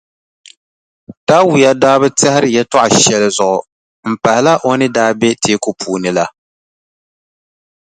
Tawia daa bi tɛhiri yɛltɔɣʼ shɛli zuɣu m-pahila o ni daa be teeku puuni la.